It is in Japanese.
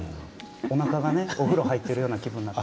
おなかもお風呂に入っているような感じになって。